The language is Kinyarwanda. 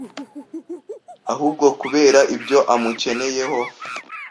ahubwo kubera ibyo amukeneyeho